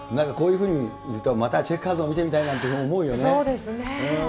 なんかこういうふうに言うとまたチェッカーズなんか見てみたいとそうですね。